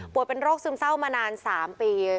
เป็นโรคซึมเศร้ามานาน๓ปี